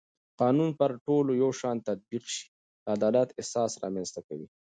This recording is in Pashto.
قانون چې پر ټولو یو شان تطبیق شي د عدالت احساس رامنځته کوي